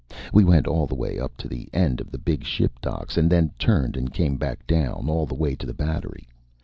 We went all the way up to the end of the big ship docks, and then turned and came back down, all the way to the Battery.